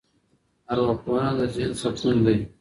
ارواپوهنه د ذهن سکون دی.